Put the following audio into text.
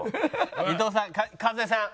伊藤さん。